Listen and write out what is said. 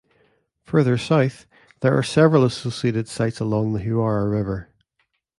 Further south, there are several associated sites along the Huaura River.